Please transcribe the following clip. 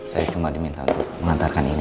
saya cuma diminta untuk mengantarkan ini